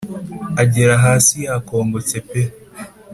Agera hasi yakongotse pe